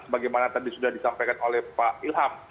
sebagaimana tadi sudah disampaikan oleh pak ilham